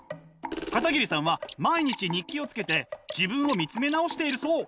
片桐さんは毎日日記をつけて自分を見つめ直しているそう！